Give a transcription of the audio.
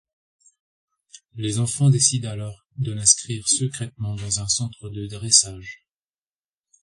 Les enfants décident alors de l'inscrire secrètement dans un centre de dressage.